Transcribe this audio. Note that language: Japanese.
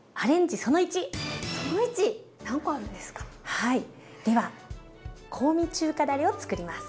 はいでは香味中華だれをつくります。